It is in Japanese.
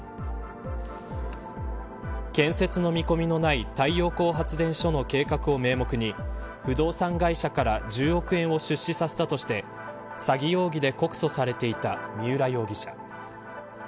建設の見込みのない太陽光発電所の計画を名目に不動産会社から１０億円を出資させたとして詐欺容疑で告訴されていた三浦容疑者。